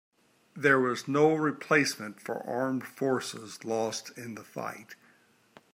There was no replacement for armed forces lost in the fight.